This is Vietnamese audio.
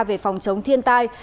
về phòng chống thiên tai